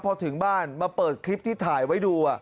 พอถึงบ้านมาเปิดคลิปที่ถ่ายไว้ดู